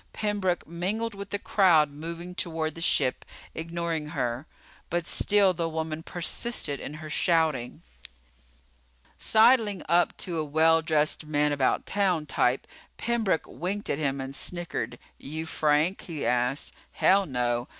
Pembroke mingled with the crowd moving toward the ship, ignoring her. But still the woman persisted in her shouting. Sidling up to a well dressed man about town type, Pembroke winked at him and snickered. "You Frank?" he asked. "Hell, no.